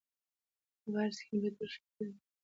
د موبایل سکرین په توره شپه کې رڼا وکړه.